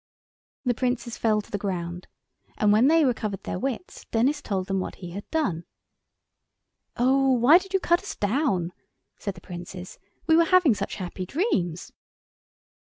The Princes fell to the ground, and when they recovered their wits Denis told them what he had done. "Oh why did you cut us down?" said the Princes, "we were having such happy dreams."